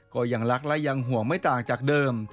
ก็ยังรักและยังห่วงไม่ต่างจากเดิม